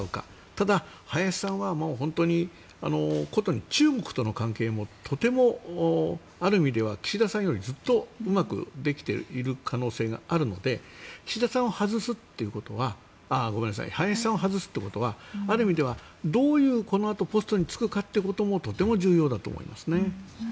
ただ林さんは本当に殊に、中国との関係もとてもある意味では岸田さんよりずっとうまくできている可能性があるので林さんを外すということはある意味ではこのあとどういうポストに就くかもとても重要だと思いますね。